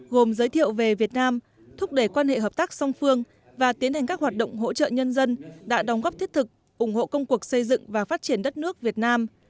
gồm giới thiệu về việt nam thúc đẩy quan hệ hợp tác song phương và tiến hành các hoạt động hỗ trợ nhân dân đã đóng góp thiết thực ủng hộ công cuộc xây dựng và phát triển đất nước việt nam